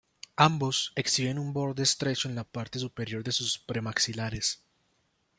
Ambos exhiben un borde estrecho en la parte superior de sus premaxilares.